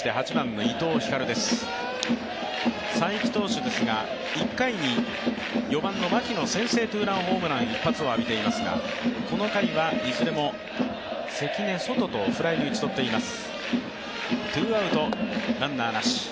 才木投手ですが、１回に４番の牧の先制ツーランホームラン一発を浴びていますが、この回はいずれも関根、ソトとフライに打ち取っています。